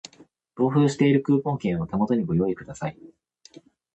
同封しているクーポン券を手元にご用意ください